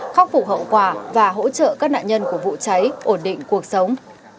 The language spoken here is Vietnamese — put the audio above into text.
khắc phục hậu quả và hỗ trợ các nạn nhân của vụ cháy ổn định cuộc sống